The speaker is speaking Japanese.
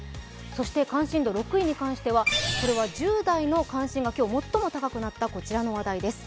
そして関心度６位に関しては１０代の関心が最も高くなったこちらの話題です。